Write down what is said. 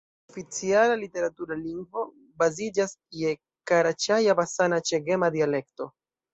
Oficiala literatura lingvo baziĝas je karaĉaja-basana-ĉegema dialekto.